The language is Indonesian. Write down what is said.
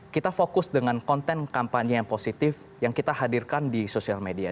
kita fokus dengan konten kampanye yang positif yang kita hadirkan di sosial media